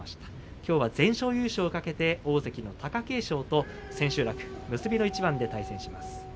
きょうは全勝優勝を懸けて大関の貴景勝と千秋楽結びの一番で対戦します。